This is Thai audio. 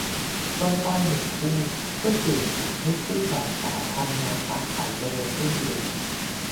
ต้นอ้อย หนึ่ง คู่ เพื่อสื่อถึงให้คู่บ่าวสาวทำมาค้าขายเจริญรุ่งเรือง